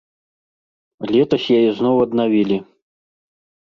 Летась яе зноў аднавілі.